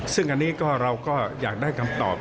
ซึ่งอันนี้ก็เราก็อยากได้คำตอบ